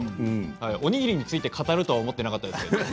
おにぎりについて語ると思っていなかったです。